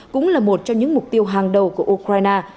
cũng là một trong những mục tiêu hàng đầu của ukraine